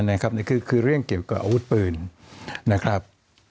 อาวุธปืนนะครับ